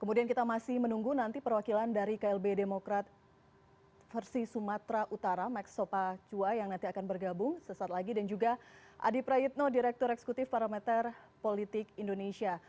kemudian kita masih menunggu nanti perwakilan dari klb demokrat versi sumatera utara max sopacua yang nanti akan bergabung sesaat lagi dan juga adi prayitno direktur eksekutif parameter politik indonesia